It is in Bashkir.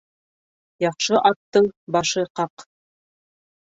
Яҡшы аттың башы ҡаҡ.